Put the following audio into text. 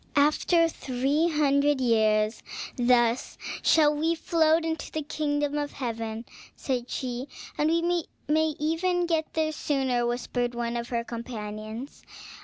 "After three hundred years, thus shall we float into the kingdom of heaven," said she. "And we may even get there sooner," whispered one of her companions.